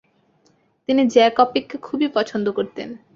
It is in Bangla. তিনি জ্যাক অপিককে খুবই পছন্দ করতেন।